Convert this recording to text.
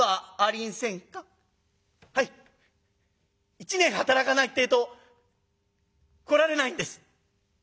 一年働かないってえと来られないんです」。